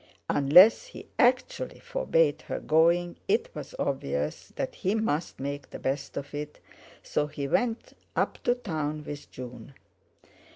Unless he actually forbade her going it was obvious that he must make the best of it, so he went up to town with June.